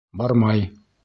Бармай.